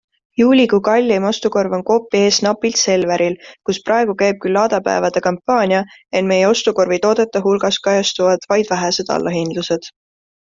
Juulikuu kalleim ostukorv on Coopi ees napilt Selveril, kus praegu käib küll Laadapäevade kampaania, ent meie ostukorvi toodete hulgas kajastuvad vaid vähesed allahindlused.